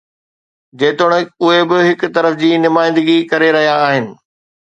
جيتوڻيڪ اهي به هڪ طرف جي نمائندگي ڪري رهيا آهن.